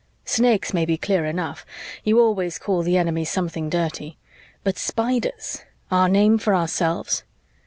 Snakes may be clear enough you always call the enemy something dirty. But Spiders our name for ourselves?